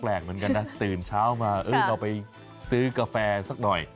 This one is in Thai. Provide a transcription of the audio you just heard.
เหมือนกันนะตื่นเช้ามาเราไปซื้อกาแฟสักหน่อย